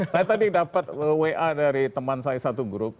saya tadi dapat wa dari teman saya satu grup